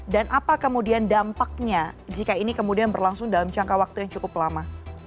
dan apa kemudian dampaknya jika ini kemudian berlangsung dalam jangka waktu yang cukup lama